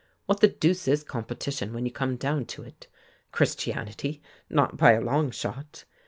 What the deuce is competition, when you come down to it? Christianity? Not by a long shot!